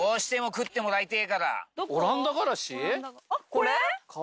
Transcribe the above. これ？